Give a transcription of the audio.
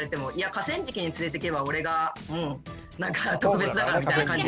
河川敷に連れていけば俺がもう特別だからみたいな感じ。